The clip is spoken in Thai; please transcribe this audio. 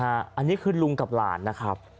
อันนี้คือลุงกับหลานนะครับ